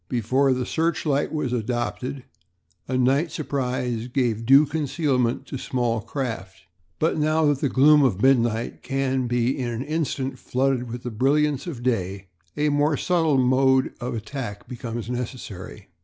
Before the searchlight was adopted a night surprise gave due concealment to small craft; but now that the gloom of midnight can be in an instant flooded with the brilliance of day a more subtle mode of attack becomes necessary.